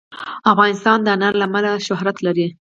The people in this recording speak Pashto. افغانستان د انار له امله شهرت لري.